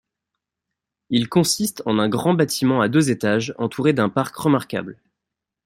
Il consiste en un grand bâtiment à deux étages entouré d'un parc remarquable.